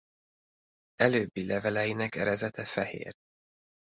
Előbbi leveleinek erezete fehér.